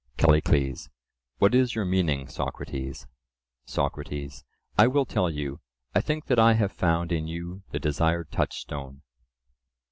CALLICLES: What is your meaning, Socrates? SOCRATES: I will tell you; I think that I have found in you the desired touchstone.